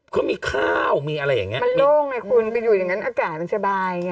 เขามีข้าวมีอะไรอย่างเงี้มันโล่งไงคุณไปอยู่อย่างนั้นอากาศมันสบายไง